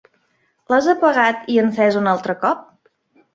L'has apagat i encès un altre cop?